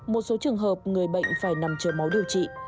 một số trường hợp người bệnh phải nằm chờ máu điều trị